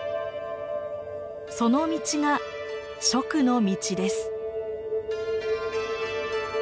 その道が「蜀の道」です。